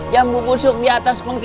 jambu pusuk di atas pengki